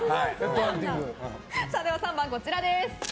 ３番、こちらです。